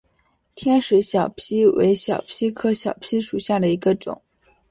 天水小檗为小檗科小檗属下的一个种。